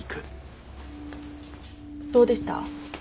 どうでした？